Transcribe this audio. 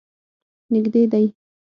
نږدې دی.